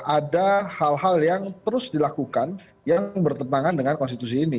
ada hal hal yang terus dilakukan yang bertentangan dengan konstitusi ini